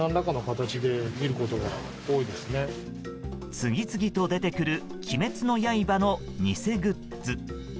次々と出てくる「鬼滅の刃」の偽グッズ。